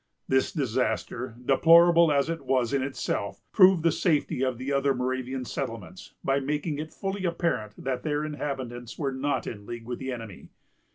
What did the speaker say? This disaster, deplorable as it was in itself, proved the safety of the other Moravian settlements, by making it fully apparent that their inhabitants were not in league with the enemy.